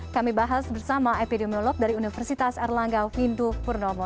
kami bahas bersama epidemiolog dari universitas erlanggao vindu purnomo